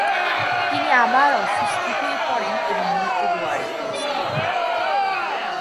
তিনি আবার অসুস্থ হয়ে পরেন এবং মৃত্যুদুয়ারে উপস্থিত হন।